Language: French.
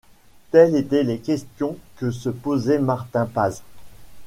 Telles étaient les questions que se posait Martin Paz.